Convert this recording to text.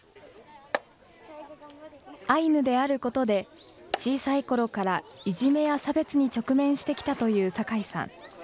アイヌであることで、小さいころからいじめや差別に直面してきたという酒井さん。